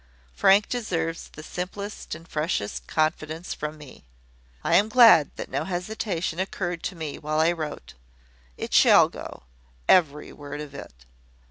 Frank deserves the simplest and freshest confidence from me. I am glad that no hesitation occurred to me while I wrote. It shall go every word of it."